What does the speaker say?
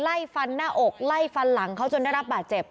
ไล่ฟันหน้าอกไล่ฟันหลังเขาจนได้รับบาดเจ็บ